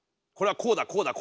こうだからこうだ。